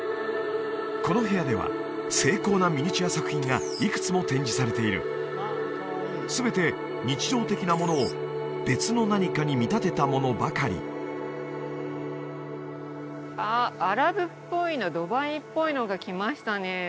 この部屋では精巧なミニチュア作品がいくつも展示されている全て日常的なものを別の何かに見立てたものばかりあっアラブっぽいのドバイっぽいのが来ましたね